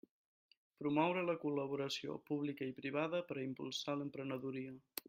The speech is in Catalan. Promoure la col·laboració publica i privada per a impulsar l'emprenedoria.